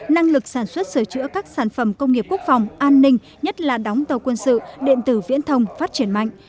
năng lực sản xuất sửa chữa các sản phẩm công nghiệp quốc phòng an ninh nhất là đóng tàu quân sự điện tử viễn thông phát triển mạnh